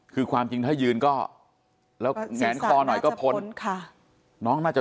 คือความจริงถ้ายืนก็แล้วแงนคอหน่อยก็พ้นค่ะน้องน่าจะ